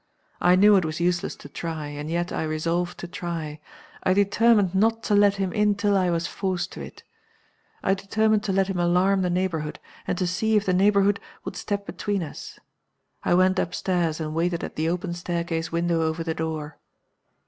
I knew it was useless to try and yet I resolved to try. I determined not to let him in till I was forced to it. I determined to let him alarm the neighborhood, and to see if the neighborhood would step between us. I went up stairs and waited at the open staircase window over the door.